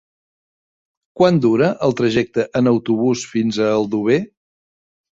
Quant dura el trajecte en autobús fins a Aldover?